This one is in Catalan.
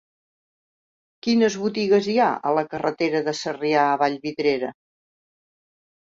Quines botigues hi ha a la carretera de Sarrià a Vallvidrera?